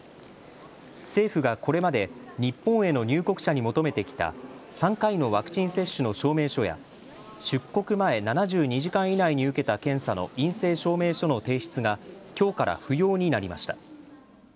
政府がこれまで日本への入国者に求めてきた３回のワクチン接種の証明書や出国前７２時間以内に受けた検査の陰性証明書の提出がきょうから不要になりました。